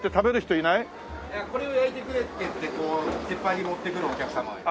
いやこれを焼いてくれっていってこう鉄板に持ってくるお客様はいます。